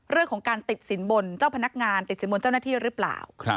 เรื่องของการติดสินบนเจ้าพนักงานติดสินบนเจ้าหน้าที่หรือเปล่า